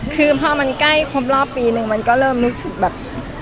คือพอมันใกล้ครบรอบปีนึงมันก็เริ่มรู้สึกแบบ